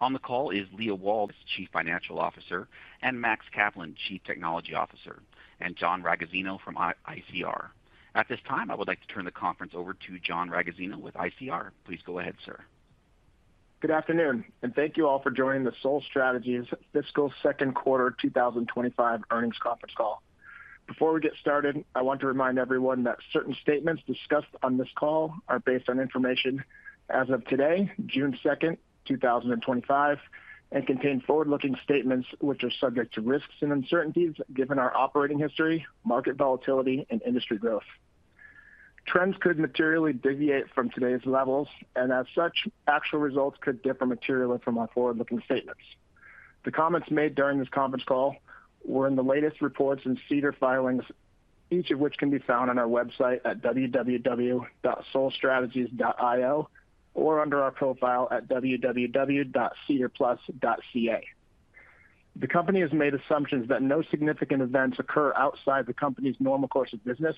On the call is Leah Wald, CEO, and Max Kaplan, Chief Technology Officer, and John Ragozzino from ICR. At this time, I would like to turn the conference over to John Ragozzino with ICR. Please go ahead, sir. Good afternoon, and thank you all for joining the Sol Strategies Fiscal Second Quarter 2025 earnings conference call. Before we get started, I want to remind everyone that certain statements discussed on this call are based on information as of today, June 2, 2025, and contain forward-looking statements which are subject to risks and uncertainties given our operating history, market volatility, and industry growth. Trends could materially deviate from today's levels, and as such, actual results could differ materially from our forward-looking statements. The comments made during this conference call were in the latest reports and SEDAR filings, each of which can be found on our website at www.solstrategies.io or under our profile at www.sedarplus.ca. The company has made assumptions that no significant events occur outside the company's normal course of business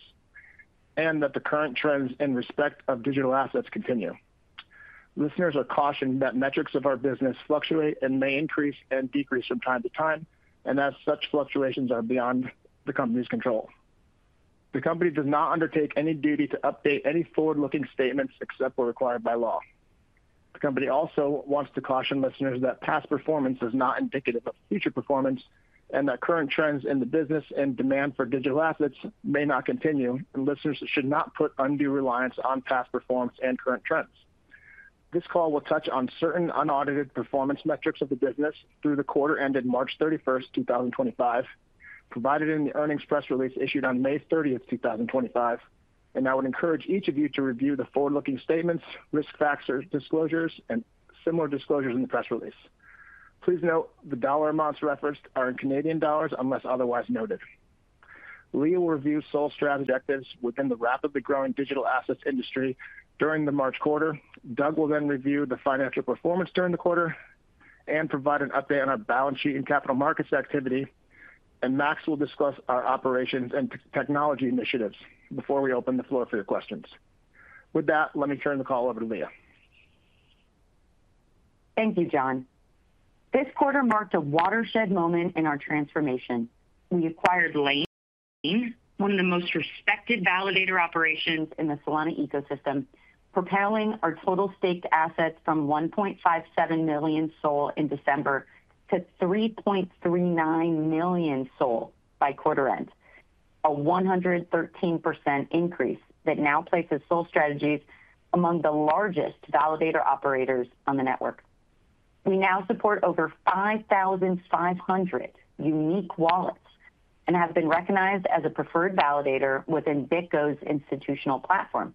and that the current trends in respect of digital assets continue. Listeners are cautioned that metrics of our business fluctuate and may increase and decrease from time to time, and as such, fluctuations are beyond the company's control. The company does not undertake any duty to update any forward-looking statements except what is required by law. The company also wants to caution listeners that past performance is not indicative of future performance and that current trends in the business and demand for digital assets may not continue, and listeners should not put undue reliance on past performance and current trends. This call will touch on certain unaudited performance metrics of the business through the Quarter ended March 31, 2025, provided in the earnings press release issued on May 30, 2025, and I would encourage each of you to review the forward-looking statements, risk factor disclosures, and similar disclosures in the press release. Please note the dollar amounts referenced are in Canadian dollars unless otherwise noted. Leah will review Sol Strategies' objectives within the rapidly growing digital assets industry during the March Quarter. Doug will then review the financial performance during the Quarter and provide an update on our balance sheet and capital markets activity, and Max will discuss our operations and technology initiatives before we open the floor for your questions. With that, let me turn the call over to Leah. Thank you, John. This Quarter marked a watershed moment in our transformation. We acquired Laine, one of the most respected validator operations in the Solana ecosystem, propelling our total staked assets from 1.57 million SOL in December to 3.39 million SOL by Quarter end, a 113% increase that now places Sol Strategies among the largest validator operators on the network. We now support over 5,500 unique wallets and have been recognized as a preferred validator within BitGo's institutional platform.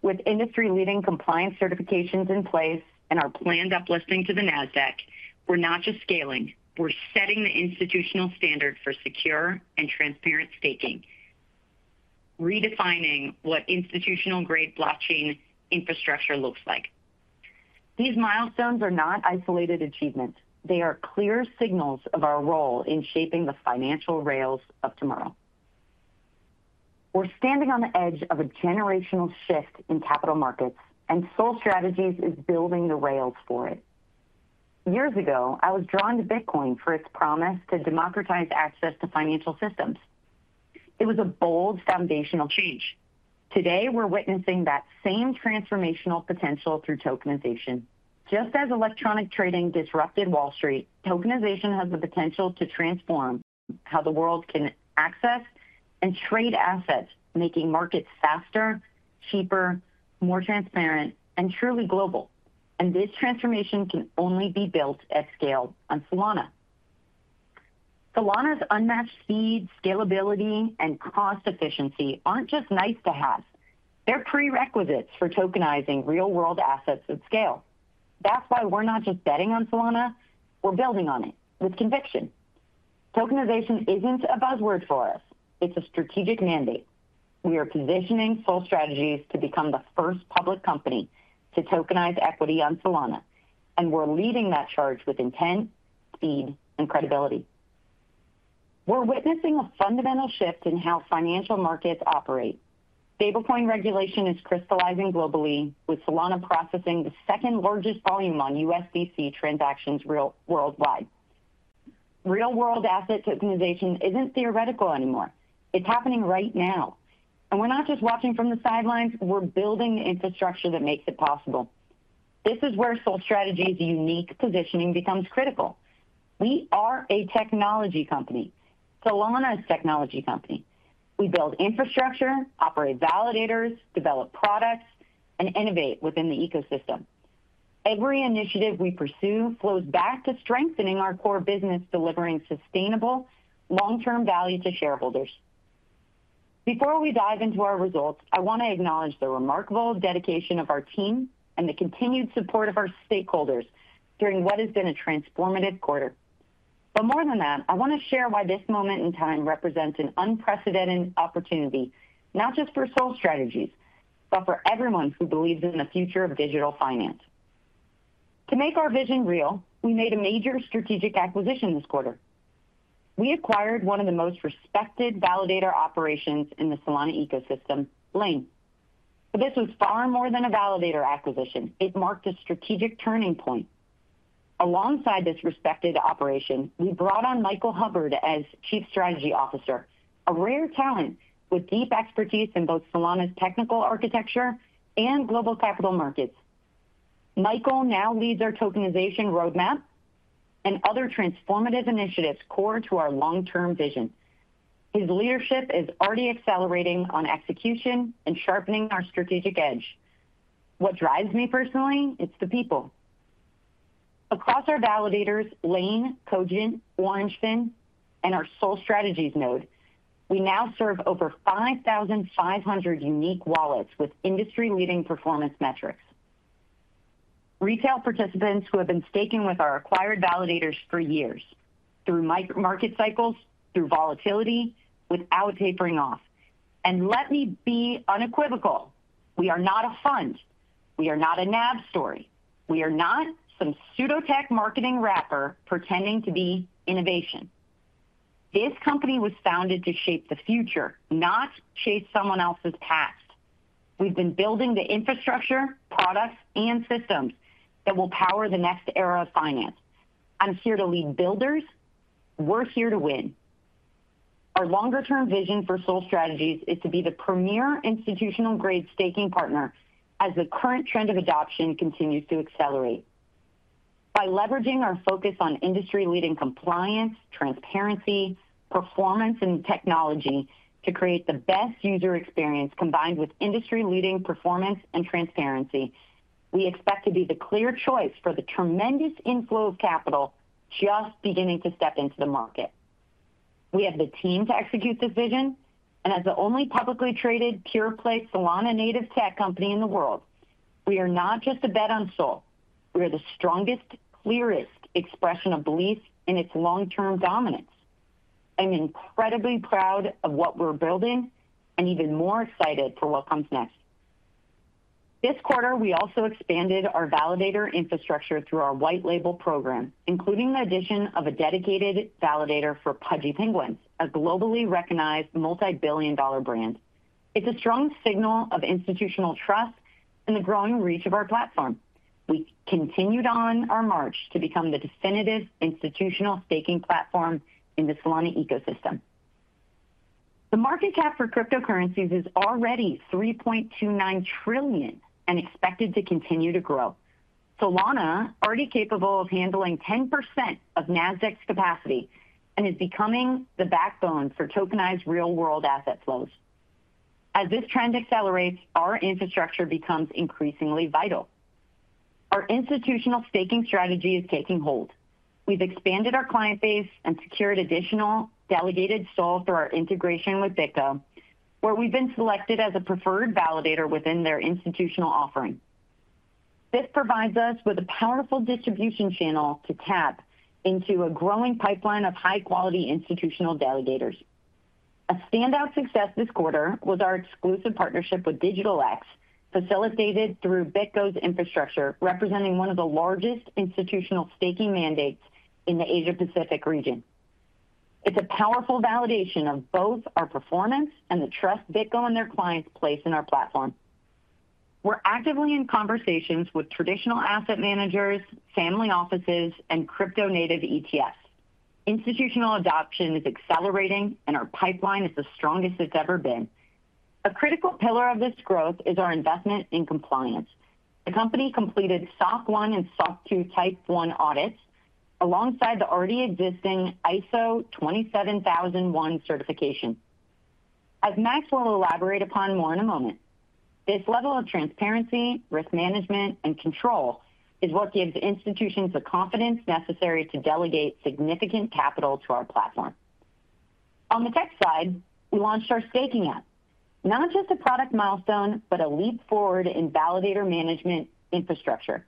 With industry-leading compliance certifications in place and our planned uplisting to the Nasdaq, we're not just scaling, we're setting the institutional standard for secure and transparent staking, redefining what institutional-grade blockchain infrastructure looks like. These milestones are not isolated achievements. They are clear signals of our role in shaping the financial rails of tomorrow. We're standing on the edge of a generational shift in capital markets, and Sol Strategies is building the rails for it. Years ago, I was drawn to Bitcoin for its promise to democratize access to financial systems. It was a bold foundational change. Today, we're witnessing that same transformational potential through tokenization. Just as electronic trading disrupted Wall Street, tokenization has the potential to transform how the world can access and trade assets, making markets faster, cheaper, more transparent, and truly global. This transformation can only be built at scale on Solana. Solana's unmatched speed, scalability, and cost efficiency aren't just nice to have. They're prerequisites for tokenizing real-world assets at scale. That's why we're not just betting on Solana. We're building on it with conviction. Tokenization isn't a buzzword for us. It's a strategic mandate. We are positioning Sol Strategies to become the first public company to tokenize equity on Solana, and we're leading that charge with intent, speed, and credibility. We're witnessing a fundamental shift in how financial markets operate. Stablecoin regulation is crystallizing globally, with Solana processing the second largest volume on USDC transactions worldwide. Real-world asset tokenization isn't theoretical anymore. It's happening right now. We're not just watching from the sidelines. We're building the infrastructure that makes it possible. This is where Sol Strategies' unique positioning becomes critical. We are a technology company. Solana is a technology company. We build infrastructure, operate validators, develop products, and innovate within the ecosystem. Every initiative we pursue flows back to strengthening our core business, delivering sustaiNAVle, long-term value to shareholders. Before we dive into our results, I want to acknowledge the remarkable dedication of our team and the continued support of our stakeholders during what has been a transformative Quarter. More than that, I want to share why this moment in time represents an unprecedented opportunity, not just for Sol Strategies, but for everyone who believes in the future of digital finance. To make our vision real, we made a major strategic acquisition this Quarter. We acquired one of the most respected validator operations in the Solana ecosystem, Laine. This was far more than a validator acquisition. It marked a strategic turning point. Alongside this respected operation, we brought on Michael Hubbard as Chief Strategy Officer, a rare talent with deep expertise in both Solana's technical architecture and global capital markets. Michael now leads our tokenization roadmap and other transformative initiatives core to our long-term vision. His leadership is already accelerating on execution and sharpening our strategic edge. What drives me personally? It's the people. Across our validators, Laine, Cogent, Orangefin, and our Sol Strategies node, we now serve over 5,500 unique wallets with industry-leading performance metrics. Retail participants who have been staking with our acquired validators for years, through market cycles, through volatility, without tapering off. Let me be unequivocal. We are not a fund. We are not a NAV story. We are not some pseudo-tech marketing wrapper pretending to be innovation. This company was founded to shape the future, not chase someone else's past. We've been building the infrastructure, products, and systems that will power the next era of finance. I'm here to lead builders. We're here to win. Our longer-term vision for Sol Strategies is to be the premier institutional-grade staking partner as the current trend of adoption continues to accelerate. By leveraging our focus on industry-leading compliance, transparency, performance, and technology to create the best user experience combined with industry-leading performance and transparency, we expect to be the clear choice for the tremendous inflow of capital just beginning to step into the market. We have the team to execute this vision, and as the only publicly traded, pure-play Solana native tech company in the world, we are not just a bet on Sol. We are the strongest, clearest expression of belief in its long-term dominance. I'm incredibly proud of what we're building and even more excited for what comes next. This Quarter, we also expanded our validator infrastructure through our white-label program, including the addition of a dedicated validator for Pudgy Penguins, a globally recognized multi-billion dollar brand. It's a strong signal of institutional trust in the growing reach of our platform. We continued on our march to become the definitive institutional staking platform in the Solana ecosystem. The market cap for cryptocurrencies is already $3.29 trillion and expected to continue to grow. Solana, already capable of handling 10% of Nasdaq's capacity, is becoming the backbone for tokenized real-world asset flows. As this trend accelerates, our infrastructure becomes increasingly vital. Our institutional staking strategy is taking hold. We've expanded our client base and secured additional delegated SOL through our integration with BitGo, where we've been selected as a preferred validator within their institutional offering. This provides us with a powerful distribution channel to tap into a growing pipeline of high-quality institutional delegators. A standout success this Quarter was our exclusive partnership with DigitalX, facilitated through BitGo's infrastructure, representing one of the largest institutional staking mandates in the Asia-Pacific region. It's a powerful validation of both our performance and the trust BitGo and their clients place in our platform. We're actively in conversations with traditional asset managers, family offices, and crypto-native ETFs. Institutional adoption is accelerating, and our pipeline is the strongest it's ever been. A critical pillar of this growth is our investment in compliance. The company completed SOC 1 and SOC 2 Type 1 audits alongside the already existing ISO 27001 certification, as Max will elaborate upon more in a moment. This level of transparency, risk management, and control is what gives institutions the confidence necessary to delegate significant capital to our platform. On the tech side, we launched our Staking App, not just a product milestone, but a leap forward in validator management infrastructure.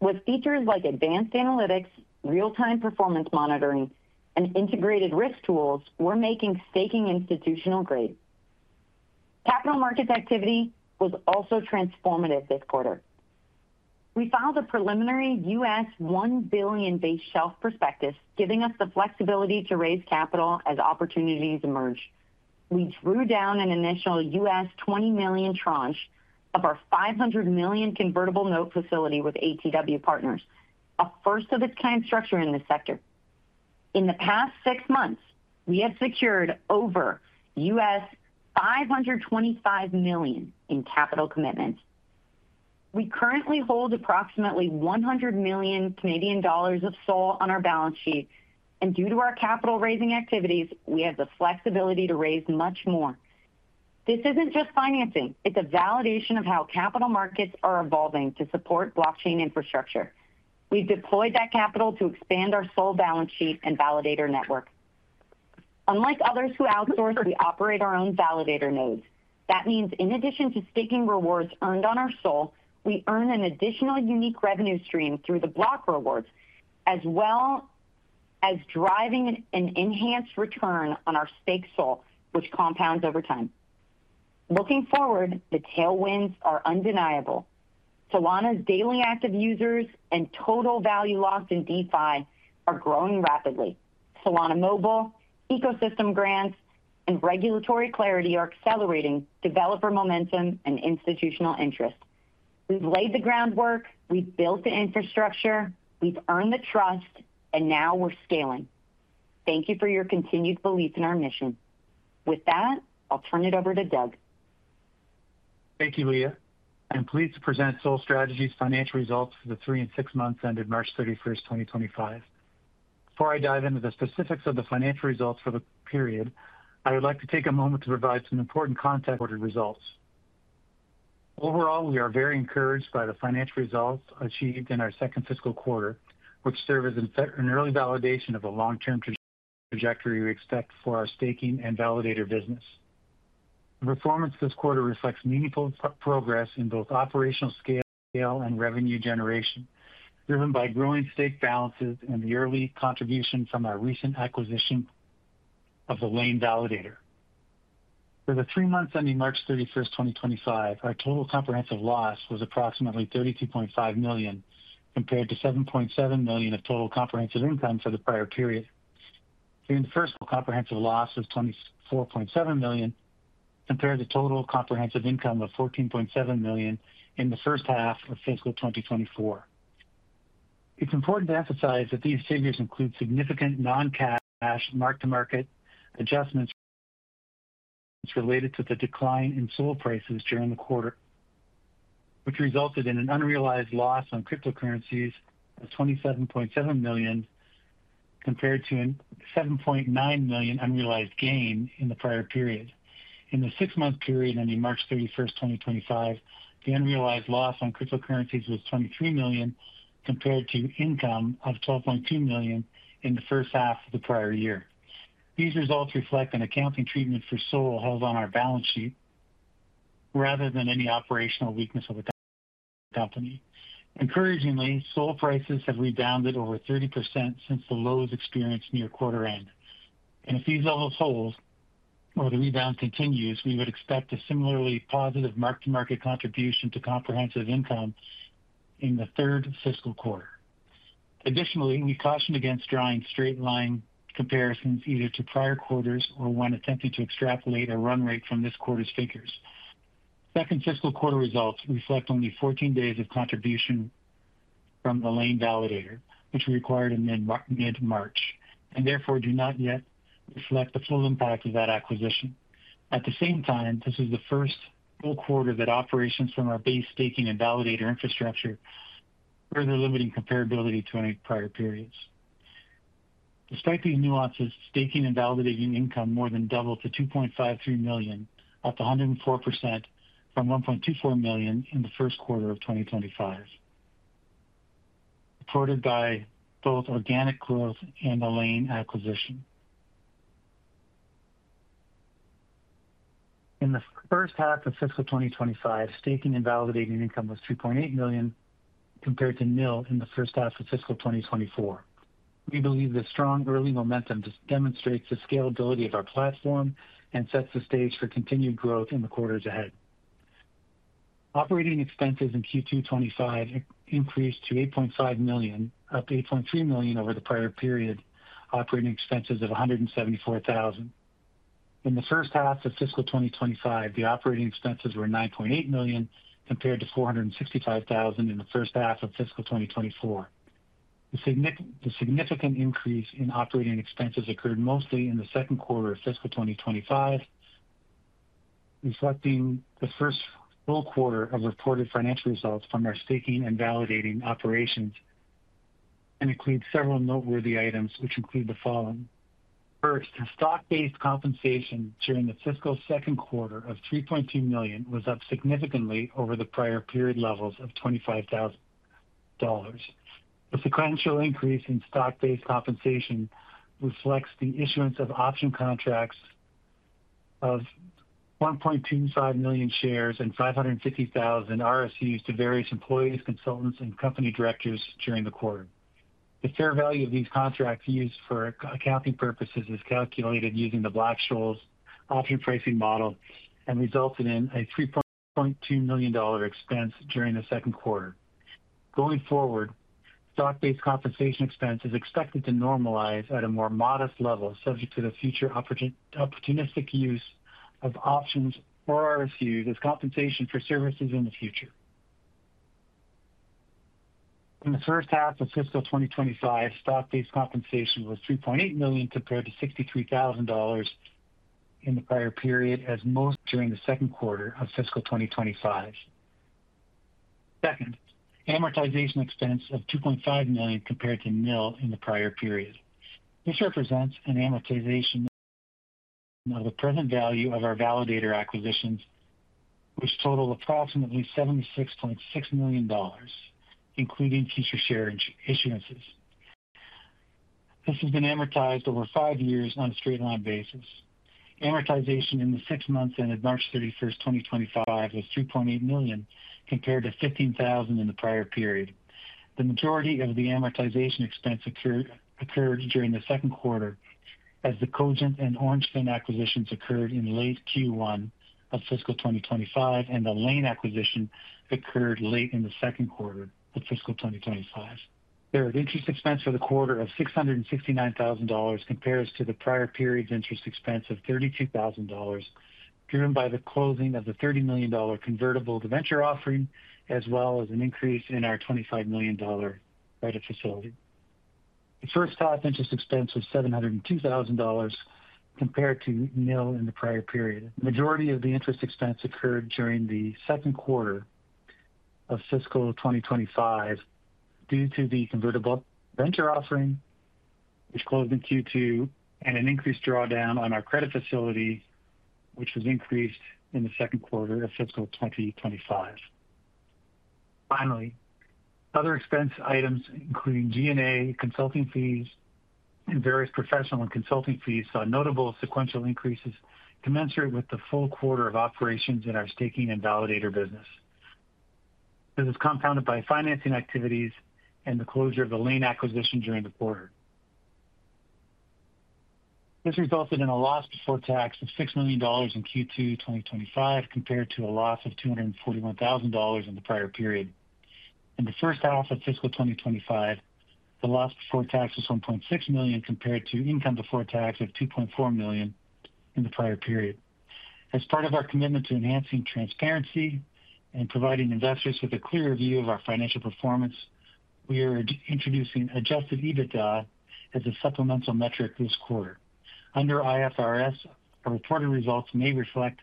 With features like advanced analytics, real-time performance monitoring, and integrated risk tools, we're making staking institutional grade. Capital markets activity was also transformative this Quarter. We filed a preliminary $1 billion base shelf prospectus, giving us the flexibility to raise capital as opportunities emerge. We drew down an initial $20 million tranche of our $500 million convertible note facility with ATW Partners, a first-of-its-kind structure in this sector. In the past six months, we have secured over $525 million in capital commitments. We currently hold approximately 100 million Canadian dollars of SOL on our balance sheet, and due to our capital-raising activities, we have the flexibility to raise much more. This isn't just financing. It's a validation of how capital markets are evolving to support blockchain infrastructure. We've deployed that capital to expand our SOL balance sheet and validator network. Unlike others who outsource, we operate our own validator nodes. That means in addition to staking rewards earned on our SOL, we earn an additional unique revenue stream through the block rewards, as well as driving an enhanced return on our staked SOL, which compounds over time. Looking forward, the tailwinds are undeniable. Solana's daily active users and total value locked in DeFi are growing rapidly. Solana Mobile, ecosystem grants, and regulatory clarity are accelerating developer momentum and institutional interest. We've laid the groundwork. We've built the infrastructure. We've earned the trust, and now we're scaling. Thank you for your continued belief in our mission. With that, I'll turn it over to Doug. Thank you, Leah. I'm pleased to present Sol Strategies' financial results for the three and six months ended March 31, 2025. Before I dive into the specifics of the financial results for the period, I would like to take a moment to provide some important context for the results. Overall, we are very encouraged by the financial results achieved in our Second Fiscal Quarter, which serve as an early validation of the long-term trajectory we expect for our staking and validator business. The performance this Quarter reflects meaningful progress in both operational scale and revenue generation, driven by growing stake balances and the early contribution from our recent acquisition of the Laine validator. For the three months ending March 31, 2025, our total comprehensive loss was approximately 32.5 million, compared to 7.7 million of total comprehensive income for the prior period. During the first comprehensive loss was 24.7 million, compared to total comprehensive income of 14.7 million in the first half of Fiscal 2024. It's important to emphasize that these figures include significant non-cash mark-to-market adjustments related to the decline in SOL prices during the Quarter, which resulted in an unrealized loss on cryptocurrencies of 27.7 million, compared to a 7.9 million unrealized gain in the prior period. In the six-month period ending March 31, 2025, the unrealized loss on cryptocurrencies was 23 million, compared to income of 12.2 million in the first half of the prior year. These results reflect an accounting treatment for SOL held on our balance sheet rather than any operational weakness of the company. Encouragingly, SOL prices have rebounded over 30% since the lows experienced near Quarter end. If these levels hold or the rebound continues, we would expect a similarly positive mark-to-market contribution to comprehensive income in the third Fiscal Quarter. Additionally, we caution against drawing straight-line comparisons either to prior Quarters or when attempting to extrapolate a run rate from this Quarter's figures. Second Fiscal Quarter results reflect only 14 days of contribution from the Laine validator, which we acquired in mid-March, and therefore do not yet reflect the full impact of that acquisition. At the same time, this is the first full Quarter that operations from our base staking and validator infrastructure are further limiting comparability to any prior periods. Despite these nuances, staking and validating income more than doubled to 2.53 million, up 104% from 1.24 million in the First Quarter of 2025, supported by both organic growth and the Laine acquisition. In the first half of Fiscal 2025, staking and validating income was 2.8 million, compared to CAD 1.0 million in the first half of Fiscal 2024. We believe this strong early momentum demonstrates the scalability of our platform and sets the stage for continued growth in the Quarters ahead. Operating expenses in Q2 2025 increased to 8.5 million, up 8.3 million over the prior period operating expenses of 174,000. In the first half of Fiscal 2025, the operating expenses were 9.8 million, compared to 465,000 in the first half of Fiscal 2024. The significant increase in operating expenses occurred mostly in the Second Quarter of Fiscal 2025, reflecting the First Full Quarter of reported financial results from our staking and validating operations and includes several noteworthy items, which include the following. First, stock-based compensation during the Fiscal Second Quarter of 3.2 million was up significantly over the prior period levels of 25,000 dollars. The sequential increase in stock-based compensation reflects the issuance of option contracts of 1.25 million shares and 550,000 RSUs to various employees, consultants, and company directors during the Quarter. The fair value of these contracts used for accounting purposes is calculated using the Black-Scholes option pricing model and resulted in a 3.2 million dollar expense during the Second Quarter. Going forward, stock-based compensation expense is expected to normalize at a more modest level, subject to the future opportunistic use of options or RSUs as compensation for services in the future. In the first half of Fiscal 2025, stock-based compensation was 3.8 million compared to 63,000 dollars in the prior period, as most during the Second Quarter of Fiscal 2025. Second, amortization expense of 2.5 million compared to CAD 1.0 million in the prior period. This represents an amortization of the present value of our validator acquisitions, which total approximately $76.6 million, including future share issuances. This has been amortized over five years on a straight-line basis. Amortization in the six months ended March 31, 2025, was 3.8 million compared to 15,000 in the prior period. The majority of the amortization expense occurred during the Second Quarter, as the Cogent and Orangefin acquisitions occurred in late Q1 of Fiscal 2025, and the Laine acquisition occurred late in the Second Quarter of Fiscal 2025. There are interest expenses for the Quarter of 669,000 dollars compared to the prior period's interest expense of 32,000 dollars, driven by the closing of the 30 million dollar convertible debenture offering, as well as an increase in our 25 million dollar credit facility. The first half interest expense was 702,000 dollars compared to CAD 1.00 million in the prior period. The majority of the interest expense occurred during the Second Quarter of Fiscal 2025 due to the convertible debenture offering, which closed in Q2, and an increased drawdown on our credit facility, which was increased in the Second Quarter of Fiscal 2025. Finally, other expense items, including G&A consulting fees and various professional and consulting fees, saw notable sequential increases commensurate with the full Quarter of operations in our staking and validator business. This is compounded by financing activities and the closure of the Laine acquisition during the Quarter. This resulted in a loss before tax of 6 million dollars in Q2 2025, compared to a loss of 241,000 dollars in the prior period. In the first half of Fiscal 2025, the loss before tax was 1.6 million compared to income before tax of 2.4 million in the prior period. As part of our commitment to enhancing transparency and providing investors with a clearer view of our financial performance, we are introducing adjusted EBITDA as a supplemental metric this Quarter. Under IFRS, our reported results may reflect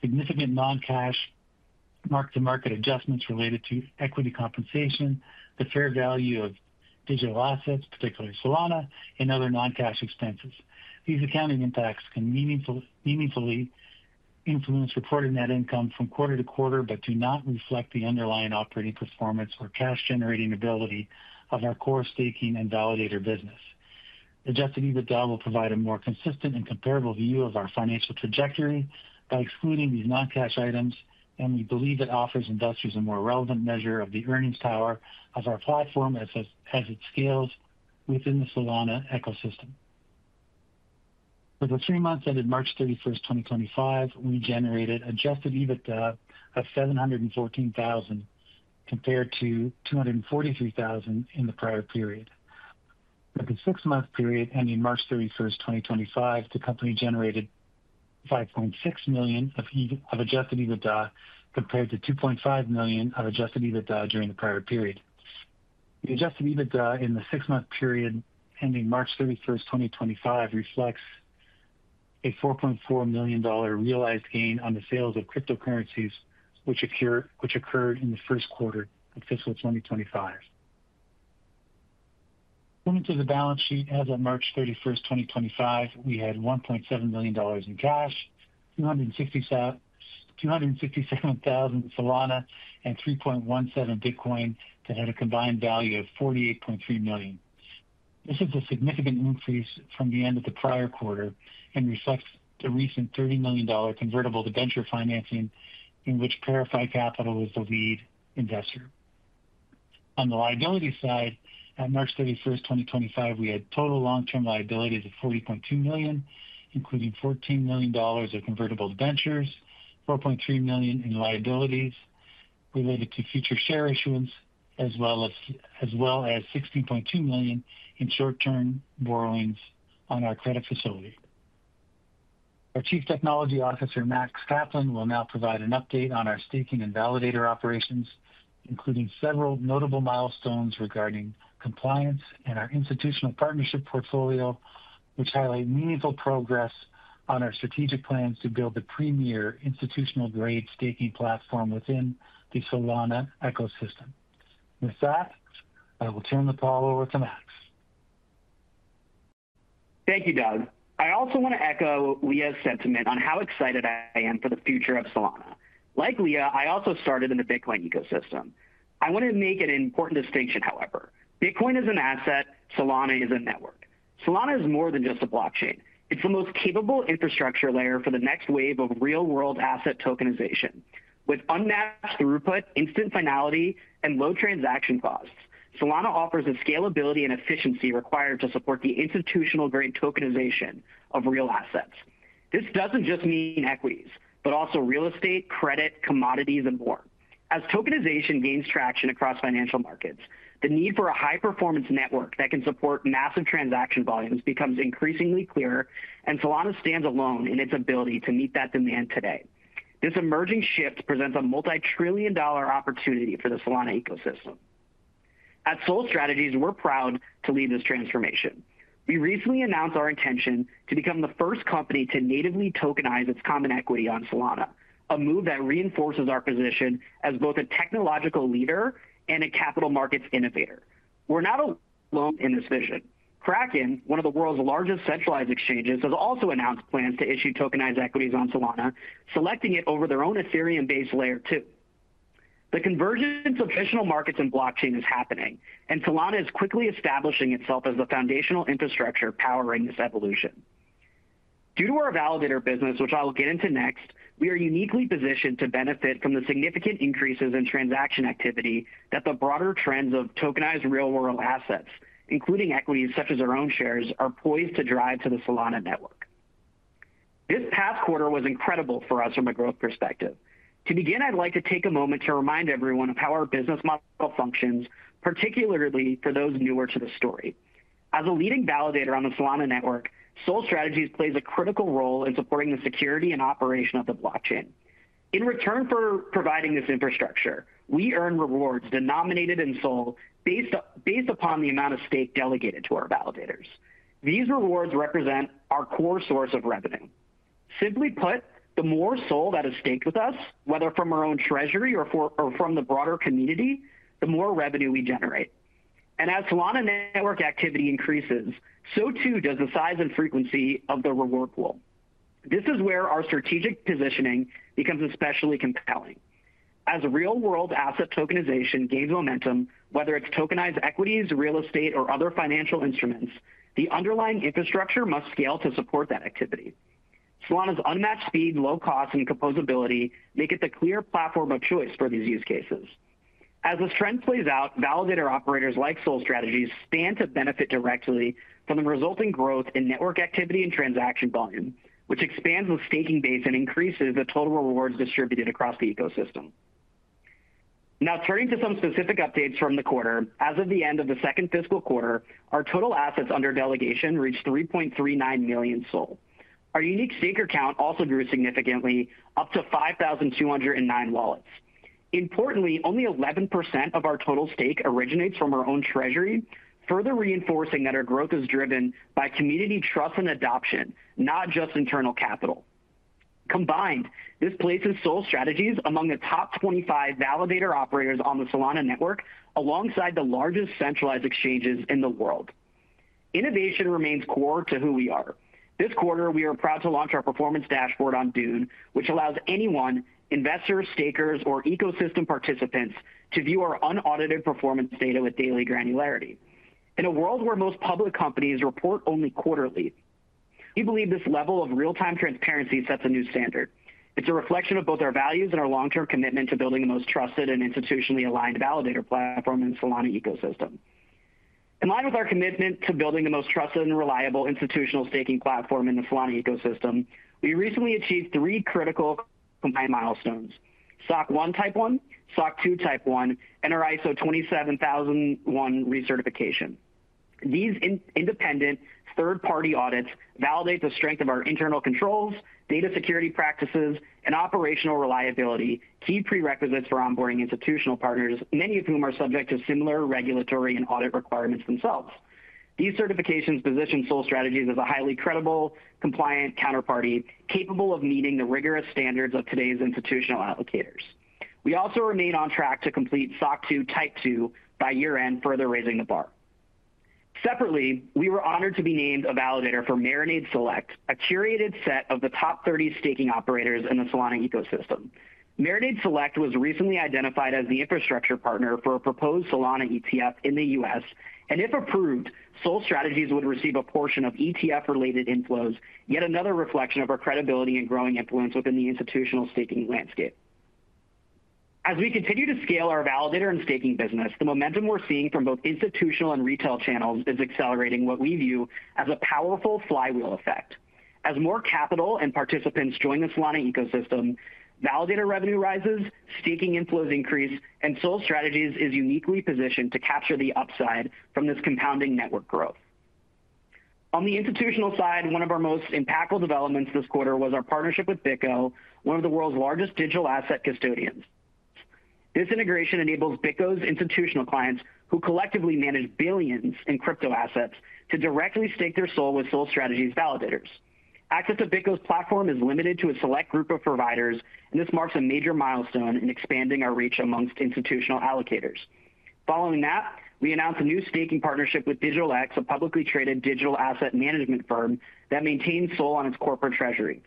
significant non-cash mark-to-market adjustments related to equity compensation, the fair value of digital assets, particularly Solana, and other non-cash expenses. These accounting impacts can meaningfully influence reported net income from Quarter to Quarter but do not reflect the underlying operating performance or cash-generating ability of our core staking and validator business. Adjusted EBITDA will provide a more consistent and comparable view of our financial trajectory by excluding these non-cash items, and we believe it offers investors a more relevant measure of the earnings power of our platform as it scales within the Solana ecosystem. For the three months ended March 31, 2025, we generated adjusted EBITDA of 714,000 compared to 243,000 in the prior period. For the six-month period ending March 31, 2025, the company generated 5.6 million of adjusted EBITDA compared to 2.5 million of adjusted EBITDA during the prior period. The adjusted EBITDA in the six-month period ending March 31, 2025, reflects a 4.4 million dollar realized gain on the sales of cryptocurrencies, which occurred in the First Quarter of Fiscal 2025. According to the balance sheet as of March 31, 2025, we had 1.7 million dollars in cash, 267,000 in Solana, and 3.17 million in Bitcoin that had a combined value of 48.3 million. This is a significant increase from the end of the prior Quarter and reflects the recent 30 million dollar convertible to venture financing, in which Parafi Capital was the lead investor. On the liability side, at March 31, 2025, we had total long-term liabilities of 40.2 million, including 14 million dollars of convertible to ventures, 4.3 million in liabilities related to future share issuance, as well as 6.2 million in short-term borrowings on our credit facility. Our Chief Technology Officer, Max Kaplan, will now provide an update on our staking and validator operations, including several notable milestones regarding compliance and our institutional partnership portfolio, which highlight meaningful progress on our strategic plans to build the premier institutional-grade staking platform within the Solana ecosystem. With that, I will turn the call over to Max. Thank you, Doug. I also want to echo Leah's sentiment on how excited I am for the future of Solana. Like Leah, I also started in the Bitcoin ecosystem. I want to make an important distinction, however. Bitcoin is an asset; Solana is a network. Solana is more than just a blockchain. It's the most capable infrastructure layer for the next wave of real-world asset tokenization. With unmatched throughput, instant finality, and low transaction costs, Solana offers the scalability and efficiency required to support the institutional-grade tokenization of real assets. This doesn't just mean equities, but also real estate, credit, commodities, and more. As tokenization gains traction across financial markets, the need for a high-performance network that can support massive transaction volumes becomes increasingly clear, and Solana stands alone in its ability to meet that demand today. This emerging shift presents a multi-trillion-dollar opportunity for the Solana ecosystem. At Sol Strategies, we're proud to lead this transformation. We recently announced our intention to become the first company to natively tokenize its common equity on Solana, a move that reinforces our position as both a technological leader and a capital markets innovator. We're not alone in this vision. Kraken, one of the world's largest centralized exchanges, has also announced plans to issue tokenized equities on Solana, selecting it over their own Ethereum-based layer two. The convergence of traditional markets and blockchain is happening, and Solana is quickly establishing itself as the foundational infrastructure powering this evolution. Due to our validator business, which I'll get into next, we are uniquely positioned to benefit from the significant increases in transaction activity that the broader trends of tokenized real-world assets, including equities such as our own shares, are poised to drive to the Solana network. This past Quarter was incredible for us from a growth perspective. To begin, I'd like to take a moment to remind everyone of how our business model functions, particularly for those newer to the story. As a leading validator on the Solana network, Sol Strategies plays a critical role in supporting the security and operation of the blockchain. In return for providing this infrastructure, we earn rewards denominated in SOL based upon the amount of stake delegated to our validators. These rewards represent our core source of revenue. Simply put, the more SOL that is staked with us, whether from our own treasury or from the broader community, the more revenue we generate. As Solana network activity increases, so too does the size and frequency of the reward pool. This is where our strategic positioning becomes especially compelling. As real-world asset tokenization gains momentum, whether it's tokenized equities, real estate, or other financial instruments, the underlying infrastructure must scale to support that activity. Solana's unmatched speed, low cost, and composability make it the clear platform of choice for these use cases. As this trend plays out, validator operators like Sol Strategies stand to benefit directly from the resulting growth in network activity and transaction volume, which expands the staking base and increases the total rewards distributed across the ecosystem. Now, turning to some specific updates from the Quarter, as of the end of the Second Fiscal Quarter, our total assets under delegation reached 3.39 million SOL. Our unique stake account also grew significantly, up to 5,209 wallets. Importantly, only 11% of our total stake originates from our own treasury, further reinforcing that our growth is driven by community trust and adoption, not just internal capital. Combined, this places Sol Strategies among the top 25 validator operators on the Solana network, alongside the largest centralized exchanges in the world. Innovation remains core to who we are. This Quarter, we are proud to launch our performance dashboard on Dune, which allows anyone, investors, stakers, or ecosystem participants, to view our unaudited performance data with daily granularity. In a world where most public companies report only Quarterly, we believe this level of real-time transparency sets a new standard. It's a reflection of both our values and our long-term commitment to building the most trusted and institutionally aligned validator platform in the Solana ecosystem. In line with our commitment to building the most trusted and reliable institutional staking platform in the Solana ecosystem, we recently achieved three critical compliance milestones: SOC 1 Type 1, SOC 2 Type 1, and our ISO 27001 recertification. These independent third-party audits validate the strength of our internal controls, data security practices, and operational reliability, key prerequisites for onboarding institutional partners, many of whom are subject to similar regulatory and audit requirements themselves. These certifications position Sol Strategies as a highly credible, compliant counterparty capable of meeting the rigorous standards of today's institutional applicators. We also remain on track to complete SOC 2 Type 2 by year-end, further raising the bar. Separately, we were honored to be named a validator for Marinade Select, a curated set of the top 30 staking operators in the Solana ecosystem. Marinade Select was recently identified as the infrastructure partner for a proposed Solana ETF in the U.S., and if approved, Sol Strategies would receive a portion of ETF-related inflows, yet another reflection of our credibility and growing influence within the institutional staking landscape. As we continue to scale our validator and staking business, the momentum we're seeing from both institutional and retail channels is accelerating what we view as a powerful flywheel effect. As more capital and participants join the Solana ecosystem, validator revenue rises, staking inflows increase, and Sol Strategies is uniquely positioned to capture the upside from this compounding network growth. On the institutional side, one of our most impactful developments this Quarter was our partnership with BitGo, one of the world's largest digital asset custodians. This integration eNAVles BitGo's institutional clients, who collectively manage billions in crypto assets, to directly stake their SOL with Sol Strategies validators. Access to BitGo's platform is limited to a select group of providers, and this marks a major milestone in expanding our reach amongst institutional allocators. Following that, we announced a new staking partnership with DigitalX, a publicly traded digital asset management firm that maintains SOL on its corporate treasury.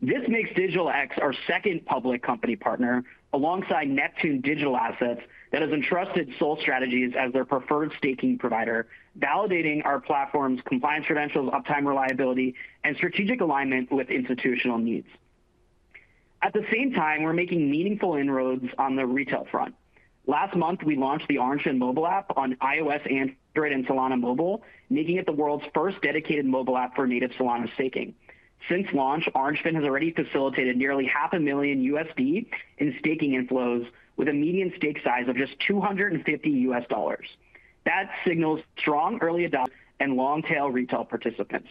This makes DigitalX our second public company partner, alongside Neptune Digital Assets, that has entrusted Sol Strategies as their preferred staking provider, validating our platform's compliance credentials, uptime reliability, and strategic alignment with institutional needs. At the same time, we're making meaningful inroads on the retail front. Last month, we launched the Orange Fin mobile app on iOS and Android and Solana Mobile, making it the world's first dedicated mobile app for native Solana staking. Since launch, Orange Fin has already facilitated nearly $500,000 in staking inflows, with a median stake size of just $250. That signals strong early adoption and long-tail retail participants.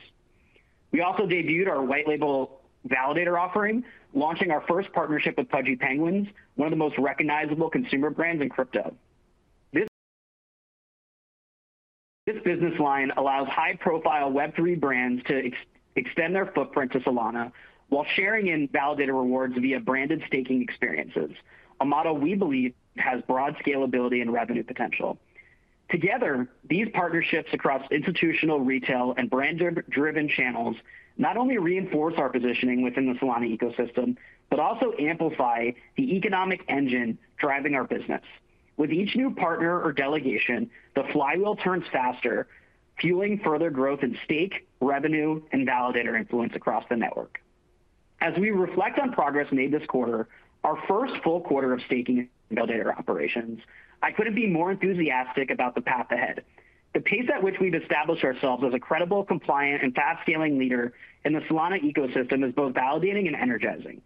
We also debuted our white-label validator offering, launching our first partnership with Pudgy Penguins, one of the most recognizable consumer brands in crypto. This business line allows high-profile Web3 brands to extend their footprint to Solana while sharing in validator rewards via branded staking experiences, a model we believe has broad scalability and revenue potential. Together, these partnerships across institutional, retail, and brand-driven channels not only reinforce our positioning within the Solana ecosystem but also amplify the economic engine driving our business. With each new partner or delegation, the flywheel turns faster, fueling further growth in stake, revenue, and validator influence across the network. As we reflect on progress made this Quarter, our first full Quarter of staking and validator operations, I couldn't be more enthusiastic about the path ahead. The pace at which we've established ourselves as a credible, compliant, and fast-scaling leader in the Solana ecosystem is both validating and energizing.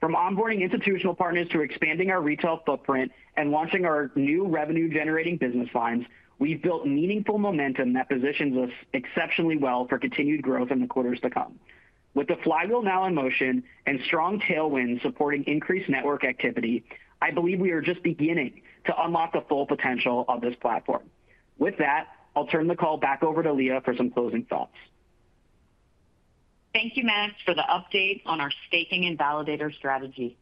From onboarding institutional partners to expanding our retail footprint and launching our new revenue-generating business lines, we've built meaningful momentum that positions us exceptionally well for continued growth in the Quarters to come. With the flywheel now in motion and strong tailwinds supporting increased network activity, I believe we are just beginning to unlock the full potential of this platform. With that, I'll turn the call back over to Leah for some closing thoughts. Thank you, Max, for the update on our staking and validator strategy.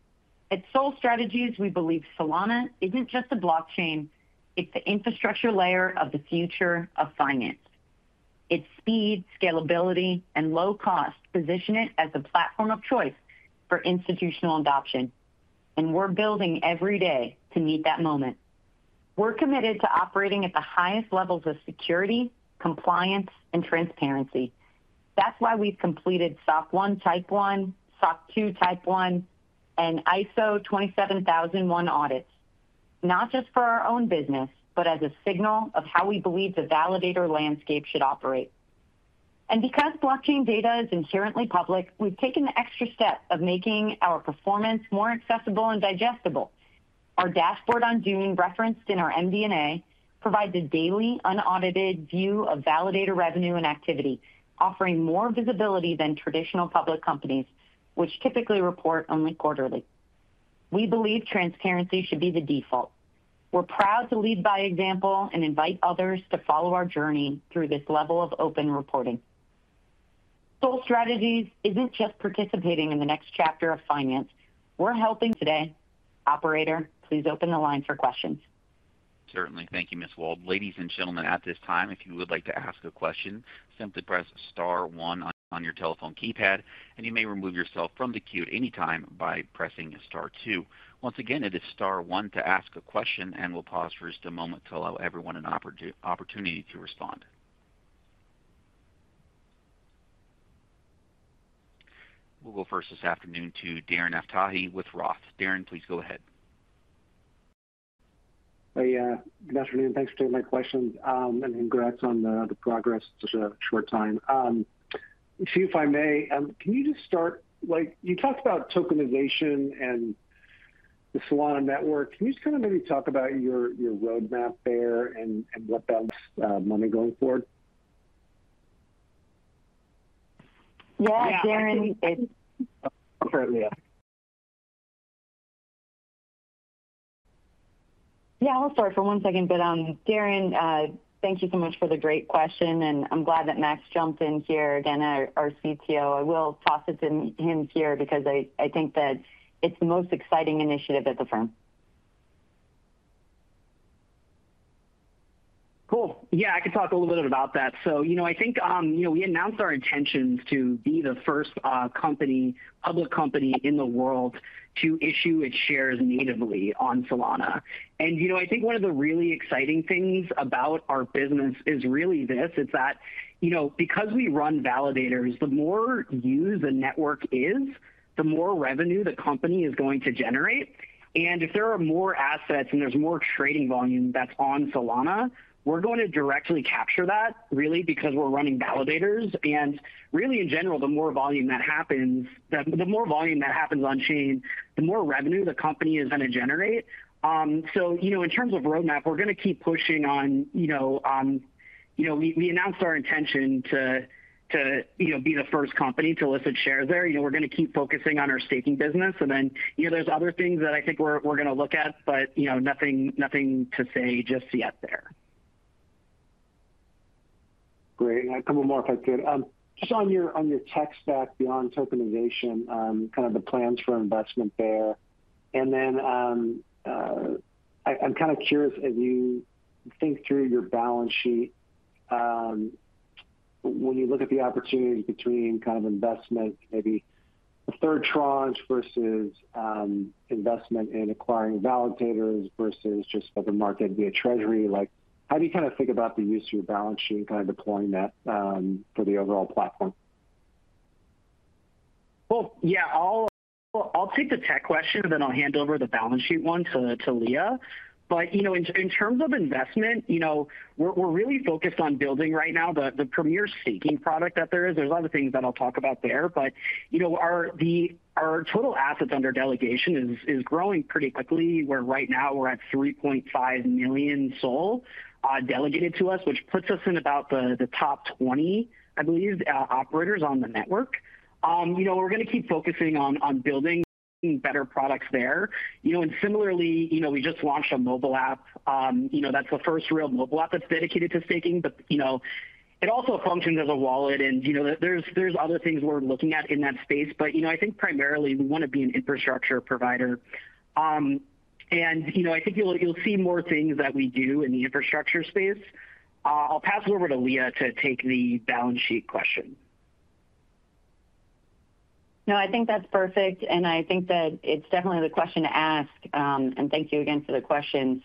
At Sol Strategies, we believe Solana is not just a blockchain; it is the infrastructure layer of the future of finance. Its speed, scalability, and low cost position it as the platform of choice for institutional adoption, and we are building every day to meet that moment. We are committed to operating at the highest levels of security, compliance, and transparency. That is why we have completed SOC 1 Type 1, SOC 2 Type 1, and ISO 27001 audits, not just for our own business, but as a signal of how we believe the validator landscape should operate. Because blockchain data is inherently public, we have taken the extra step of making our performance more accessible and digestible. Our dashboard on Dune, referenced in our MD&A, provides a daily, unaudited view of validator revenue and activity, offering more visibility than traditional public companies, which typically report only Quarterly. We believe transparency should be the default. We're proud to lead by example and invite others to follow our journey through this level of open reporting. Sol Strategies isn't just participating in the next chapter of finance; we're helping today. Operator, please open the line for questions. Certainly. Thank you, Ms. Wald. Ladies and gentlemen, at this time, if you would like to ask a question, simply press Star 1 on your telephone keypad, and you may remove yourself from the queue at any time by pressing Star 2. Once again, it is Star 1 to ask a question, and we'll pause for just a moment to allow everyone an opportunity to respond. We'll go first this afternoon to Darren Aftahi with Roth. Darren, please go ahead. Hey, good afternoon. Thanks for taking my question, and congrats on the progress. Such a short time. If I may, can you just start? You talked about tokenization and the Solana network. Can you just kind of maybe talk about your roadmap there and what that money going forward? Yeah, I'll start for one second. Darren, thank you so much for the great question, and I'm glad that Max jumped here and Max, our CTO. I will toss it to him here because I think that it's the most exciting initiative at the firm. Cool. Yeah, I could talk a little bit about that. I think we announced our intentions to be the first public company in the world to issue its shares natively on Solana. I think one of the really exciting things about our business is really this: it's that because we run validators, the more used the network is, the more revenue the company is going to generate. If there are more assets and there's more trading volume that's on Solana, we're going to directly capture that, really, because we're running validators. Really, in general, the more volume that happens, the more volume that happens on-chain, the more revenue the company is going to generate. In terms of roadmap, we're going to keep pushing on. We announced our intention to be the first company to list its shares there. We're going to keep focusing on our staking business. And then there's other things that I think we're going to look at, but nothing to say just yet there. Great. A couple more, if I could. Just on your tech stack beyond tokenization, kind of the plans for investment there. And then I'm kind of curious, as you think through your balance sheet, when you look at the opportunities between kind of investment, maybe a third tranche versus investment in acquiring validators versus just for the market via treasury, how do you kind of think about the use of your balance sheet and kind of deploying that for the overall platform? Yeah, I'll take the tech question, and then I'll hand over the balance sheet one to Leah. But in terms of investment, we're really focused on building right now the premier staking product that there is. are other things that I'll talk about there. Our total assets under delegation is growing pretty quickly, where right now we're at 3.5 million SOL delegated to us, which puts us in about the top 20, I believe, operators on the network. We are going to keep focusing on building better products there. Similarly, we just launched a mobile app. That is the first real mobile app that's dedicated to staking, but it also functions as a wallet. There are other things we're looking at in that space, but I think primarily we want to be an infrastructure provider. I think you'll see more things that we do in the infrastructure space. I'll pass it over to Leah to take the balance sheet question. No, I think that's perfect, and I think that it's definitely the question to ask. Thank you again for the question.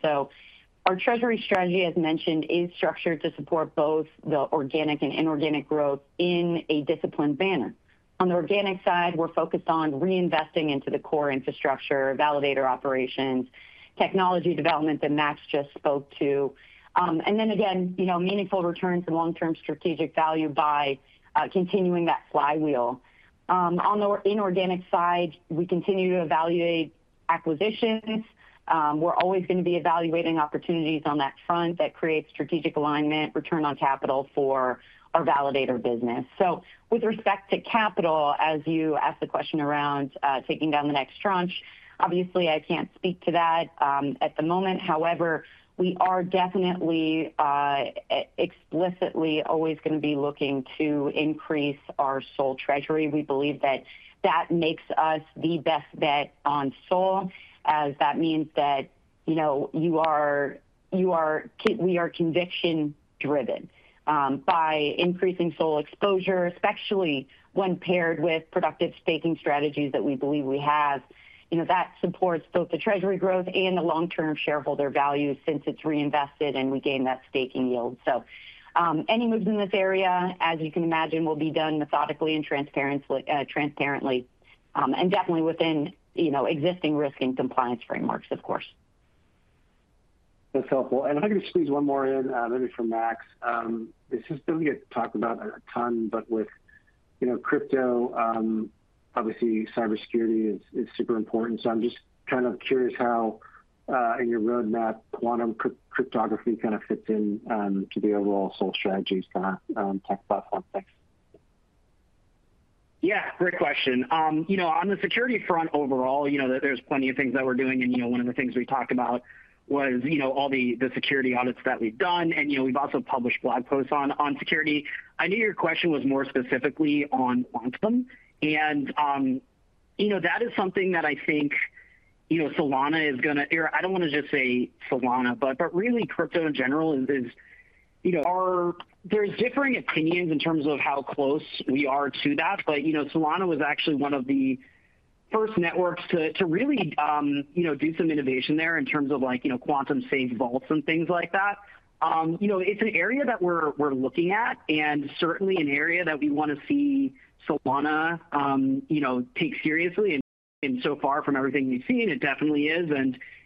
Our treasury strategy, as mentioned, is structured to support both the organic and inorganic growth in a disciplined manner. On the organic side, we're focused on reinvesting into the core infrastructure, validator operations, technology development that Max just spoke to, and then again, meaningful returns and long-term strategic value by continuing that flywheel. On the inorganic side, we continue to evaluate acquisitions. We're always going to be evaluating opportunities on that front that create strategic alignment, return on capital for our validator business. With respect to capital, as you asked the question around taking down the next tranche, obviously, I can't speak to that at the moment. However, we are definitely explicitly always going to be looking to increase our SOL treasury. We believe that makes us the best bet on SOL, as that means that we are conviction-driven by increasing SOL exposure, especially when paired with productive staking strategies that we believe we have. That supports both the treasury growth and the long-term shareholder value since it's reinvested and we gain that staking yield. Any moves in this area, as you can imagine, will be done methodically and transparently, and definitely within existing risk and compliance frameworks, of course. That's helpful. I'm going to squeeze one more in, maybe for Max. This has been talked about a ton, but with crypto, obviously, cybersecurity is super important. I'm just kind of curious how, in your roadmap, quantum cryptography kind of fits into the overall Sol Strategies tech platform things. Yeah, great question. On the security front overall, there's plenty of things that we're doing. One of the things we talked about was all the security audits that we've done, and we've also published blog posts on security. I knew your question was more specifically on quantum, and that is something that I think Solana is going to—or I don't want to just say Solana, but really crypto in general is. are differing opinions in terms of how close we are to that, but Solana was actually one of the first networks to really do some innovation there in terms of quantum-safe vaults and things like that. It is an area that we are looking at and certainly an area that we want to see Solana take seriously. From everything we have seen, it definitely is.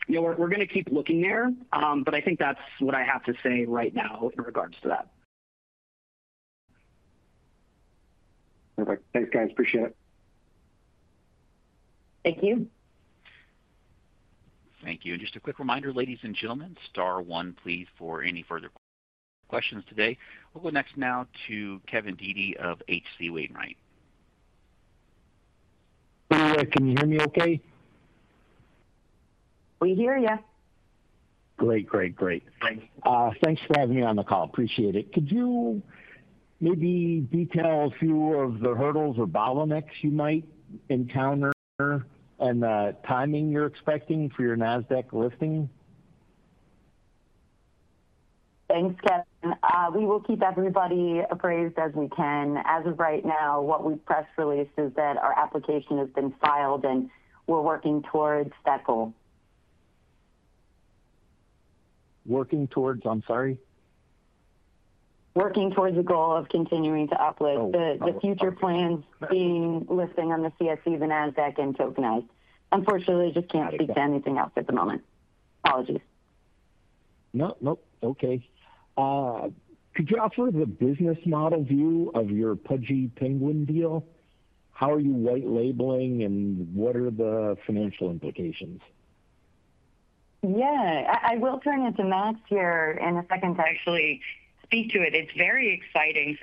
We are going to keep looking there, but I think that is what I have to say right now in regards to that. Perfect. Thanks, guys. Appreciate it. Thank you. Thank you. Just a quick reminder, ladies and gentlemen, Star 1, please, for any further questions today. We'll go next now to Kevin DeGeeter of HC Wainwright. Leah, can you hear me okay? We hear you. Great, great, great. Thanks for having me on the call. Appreciate it. Could you maybe detail a few of the hurdles or bottlenecks you might encounter and the timing you're expecting for your Nasdaq listing? Thanks, Kevin. We will keep everybody appraised as we can. As of right now, what we've press released is that our application has been filed, and we're working towards that goal. Working towards—I'm sorry? Working towards the goal of continuing to uplift. Oh, okay. The future plans being listing on the CSE, the Nasdaq, and tokenized. Unfortunately, I just can't speak to anything else at the moment. Apologies. No, nope. Okay. Could you offer the business model view of your Pudgy Penguins deal? How are you white-labeling, and what are the financial implications? Yeah, I will turn it to Max here in a second to actually speak to it. It is very exciting.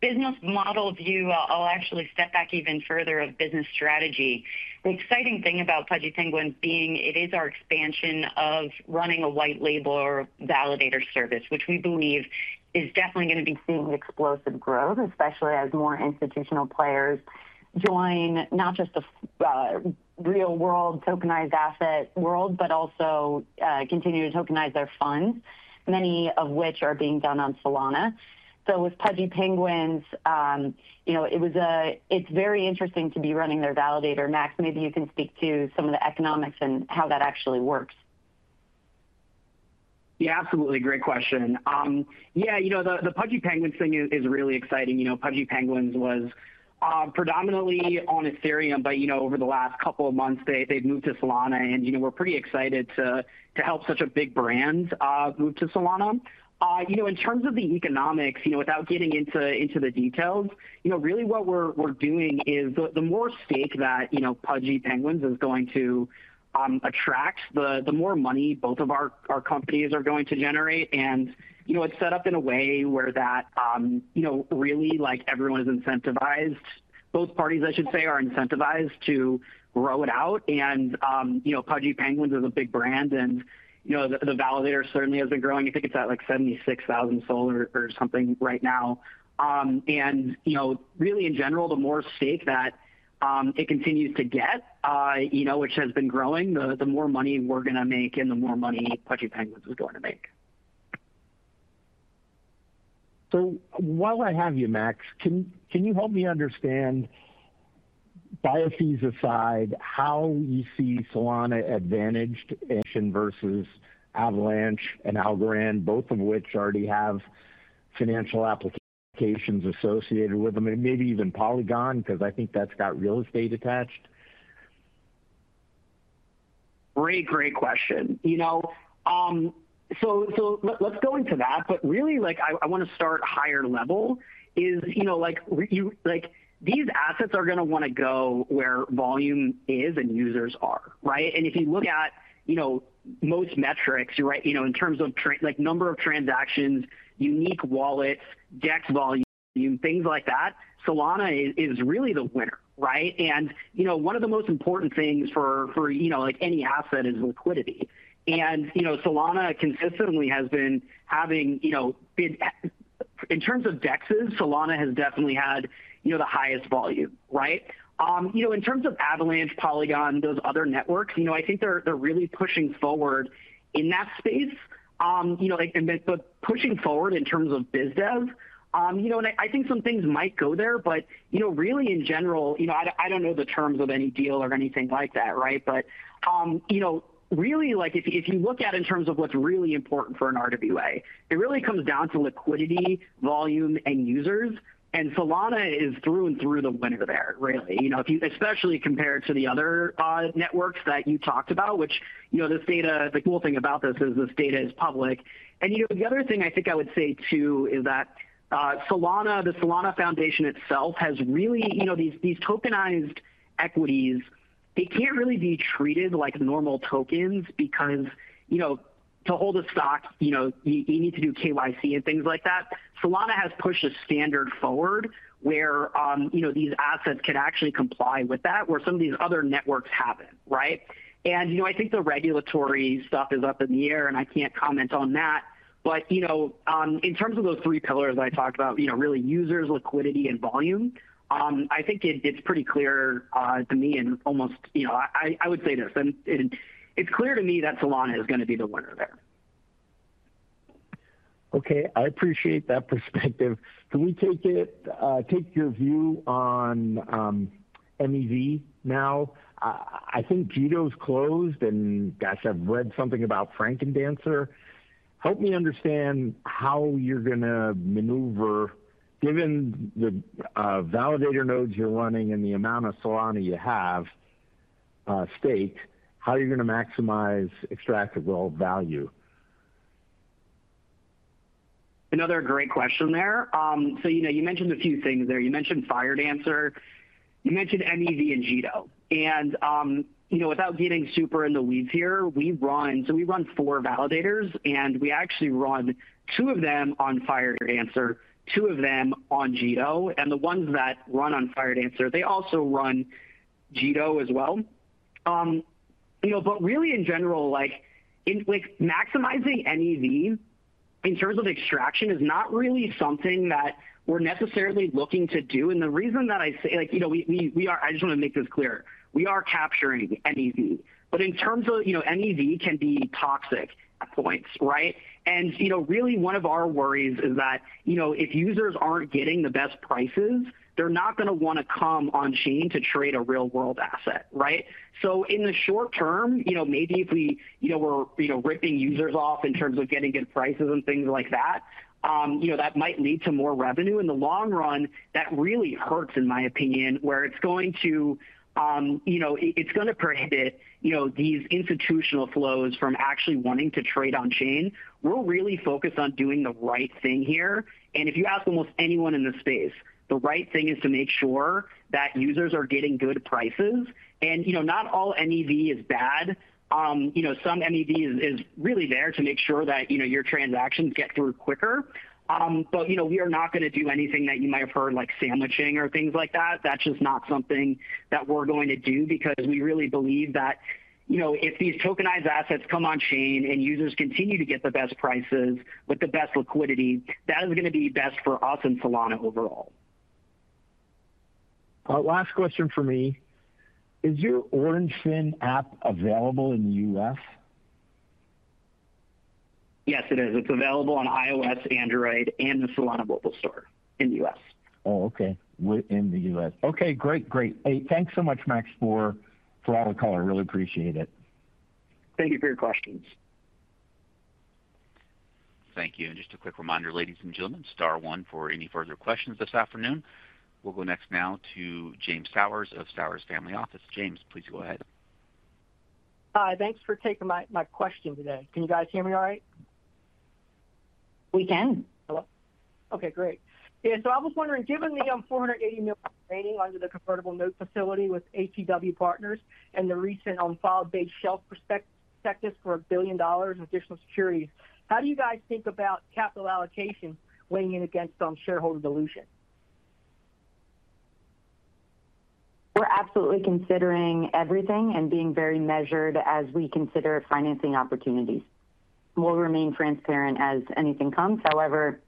Business model view, I will actually step back even further of business strategy. The exciting thing about Pudgy Penguins being it is our expansion of running a white-label or validator service, which we believe is definitely going to be seeing explosive growth, especially as more institutional players join not just the real-world tokenized asset world, but also continue to tokenize their funds, many of which are being done on Solana. With Pudgy Penguins, it is very interesting to be running their validator. Max, maybe you can speak to some of the economics and how that actually works. Yeah, absolutely. Great question. Yeah, the Pudgy Penguins thing is really exciting. Pudgy Penguins was predominantly on Ethereum, but over the last couple of months, they've moved to Solana, and we're pretty excited to help such a big brand move to Solana. In terms of the economics, without getting into the details, really what we're doing is the more stake that Pudgy Penguins is going to attract, the more money both of our companies are going to generate. It is set up in a way where really everyone is incentivized, both parties, I should say, are incentivized to grow it out. Pudgy Penguins is a big brand, and the validator certainly has been growing. I think it's at like 76,000 SOL or something right now. Really, in general, the more stake that it continues to get, which has been growing, the more money we're going to make and the more money Pudgy Penguins is going to make. While I have you, Max, can you help me understand, biases aside, how you see Solana advantaged? Versus Avalanche and Algorand, both of which already have financial applications associated with them, and maybe even Polygon, because I think that's got real estate attached? Great, great question. Let's go into that, but really, I want to start higher level. These assets are going to want to go where volume is and users are, right? If you look at most metrics, in terms of number of transactions, unique wallets, DEX volume, things like that, Solana is really the winner, right? One of the most important things for any asset is liquidity. Solana consistently has been having, in terms of DEXes, Solana has definitely had the highest volume, right? In terms of Avalanche, Polygon, those other networks, I think they're really pushing forward in that space, but pushing forward in terms of BizDev. I think some things might go there, but really, in general, I don't know the terms of any deal or anything like that, right? If you look at it in terms of what's really important for an RWA, it really comes down to liquidity, volume, and users. Solana is through and through the winner there, really, especially compared to the other networks that you talked about, which the cool thing about this is this data is public. The other thing I think I would say too is that the Solana Foundation itself has really—these tokenized equities, they can't really be treated like normal tokens because to hold a stock, you need to do KYC and things like that. Solana has pushed a standard forward where these assets can actually comply with that, where some of these other networks haven't, right? I think the regulatory stuff is up in the air, and I can't comment on that. In terms of those three pillars that I talked about, really users, liquidity, and volume, I think it's pretty clear to me and almost—I would say this. It's clear to me that Solana is going to be the winner there. Okay. I appreciate that perspective. Can we take your view on MEV now? I think Jito's closed, and guys, I've read something about Firedancer. Help me understand how you're going to maneuver, given the validator nodes you're running and the amount of Solana you have staked, how you're going to maximize extractive roll value. Another great question there. You mentioned a few things there. You mentioned Firedancer. You mentioned MEV and Jito. Without getting super in the weeds here, we run—so we run four validators, and we actually run two of them on Firedancer, two of them on Jito. The ones that run on Firedancer, they also run Jito as well. Really, in general, maximizing MEV in terms of extraction is not really something that we're necessarily looking to do. The reason that I say—I just want to make this clear. We are capturing MEV, but in terms of MEV can be toxic at points, right? Really, one of our worries is that if users aren't getting the best prices, they're not going to want to come on-chain to trade a real-world asset, right? In the short term, maybe if we were ripping users off in terms of getting good prices and things like that, that might lead to more revenue. In the long run, that really hurts, in my opinion, where it's going to prohibit these institutional flows from actually wanting to trade on-chain. We're really focused on doing the right thing here. If you ask almost anyone in the space, the right thing is to make sure that users are getting good prices. Not all MEV is bad. Some MEV is really there to make sure that your transactions get through quicker. We are not going to do anything that you might have heard, like sandwiching or things like that. That's just not something that we're going to do because we really believe that if these tokenized assets come on-chain and users continue to get the best prices with the best liquidity, that is going to be best for us and Solana overall. Last question for me. Is your OrangeFin app available in the U.S.? Yes, it is. It's available on iOS, Android, and the Solana Mobile store in the U.S. Oh, okay. In the U.S. Okay. Great, great. Hey, thanks so much, Max, for all the color. I really appreciate it. Thank you for your questions. Thank you. Just a quick reminder, ladies and gentlemen, Star 1 for any further questions this afternoon. We'll go next now to James Sowers of Sowers Family Office. James, please go ahead. Hi. Thanks for taking my question today. Can you guys hear me all right? We can. Hello? Okay. Great. Yeah. So I was wondering, given the 480 million rating under the convertible note facility with ATW Partners and the recent unfiled big shelf prospectus for 1 billion dollars in additional securities, how do you guys think about capital allocation weighing in against shareholder dilution? We're absolutely considering everything and being very measured as we consider financing opportunities. We'll remain transparent as anything comes. However,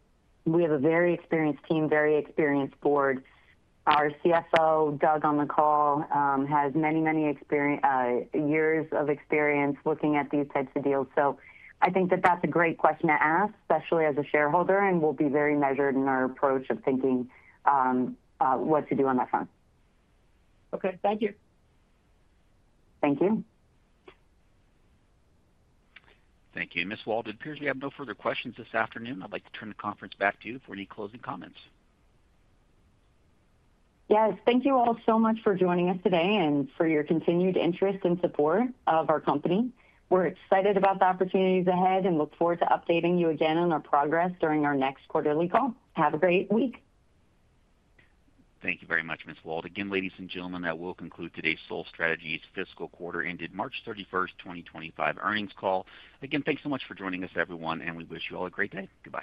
we have a very experienced team, very experienced board. Our CFO, Doug, on the call, has many, many years of experience looking at these types of deals. I think that that's a great question to ask, especially as a shareholder, and we'll be very measured in our approach of thinking what to do on that front. Okay. Thank you. Thank you. Thank you. Ms. Wald, it appears we have no further questions this afternoon. I'd like to turn the conference back to you for any closing comments. Yes. Thank you all so much for joining us today and for your continued interest and support of our company. We're excited about the opportunities ahead and look forward to updating you again on our progress during our next Quarterly call. Have a great week. Thank you very much, Ms. Wald. Again, ladies and gentlemen, that will conclude today's Sol Strategies Fiscal Quarter ended March 31, 2025 earnings call. Again, thanks so much for joining us, everyone, and we wish you all a great day. Goodbye.